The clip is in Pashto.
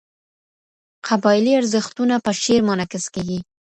قبايلي ارزښتونه په شعر منعکس کېږي.